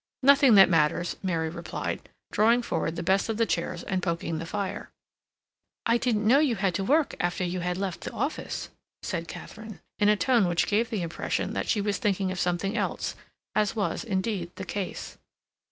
"Nothing that matters," Mary replied, drawing forward the best of the chairs and poking the fire. "I didn't know you had to work after you had left the office," said Katharine, in a tone which gave the impression that she was thinking of something else, as was, indeed, the case.